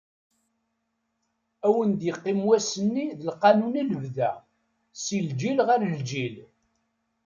Ad wen-d-iqqim wass-nni d lqanun i lebda, si lǧil ɣer lǧil.